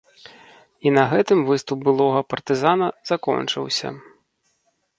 І на гэтым выступ былога партызана закончыўся.